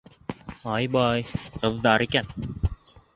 — Ай-бай, ҡыҙҙар икән.